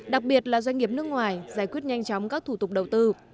đặc biệt là doanh nghiệp nước ngoài giải quyết nhanh chóng các thủ tục đầu tư